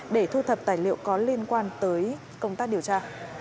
để thu thập tài liệu có liên quan tới công tác điều tra